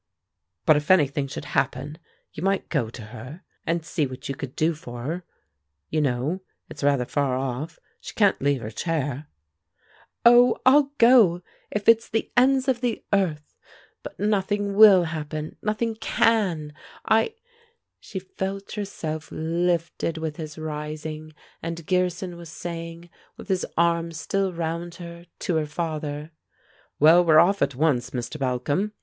"But if anything should happen, you might go to her, and see what you could do for her. You know? It's rather far off; she can't leave her chair " "Oh, I'll go, if it's the ends of the earth! But nothing will happen! Nothing can! I " She felt herself lifted with his rising, and Gearson was saying, with his arm still round her, to her father: "Well, we're off at once, Mr. Balcom.